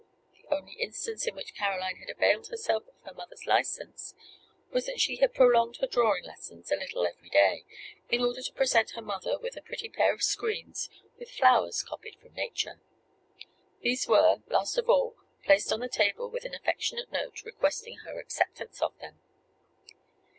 The only instance in which Caroline had availed herself of her mother's license, was that she had prolonged her drawing lessons a little every day, in order to present her mother with a pretty pair of screens, with flowers copied from nature. These were, last of all, placed on the table with an affectionate note, requesting her acceptance of them.